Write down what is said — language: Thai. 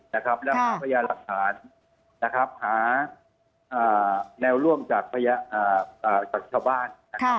แล้วหาลักษณ์หาแนวร่วมจากชาวบ้าน